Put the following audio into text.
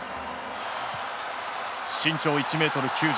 身長１ｍ９９ｃｍ。